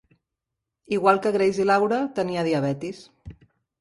Igual que Grace i Laura, tenia diabetis.